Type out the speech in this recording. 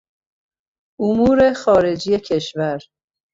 امور خارجی کشور